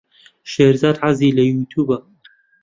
شێرزاد حەزی لە یووتیووبە.